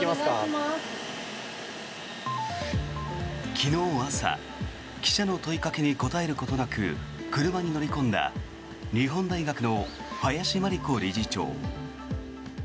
昨日朝、記者の問いかけに答えることなく車に乗り込んだ日本大学の林真理子理事長。